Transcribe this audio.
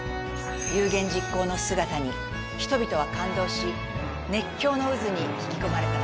有言実行の姿に人々は感動し熱狂の渦に引き込まれたのです。